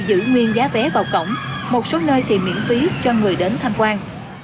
giữ nguyên giá vé vào cổng một số nơi thì miễn phí cho người đến tham quan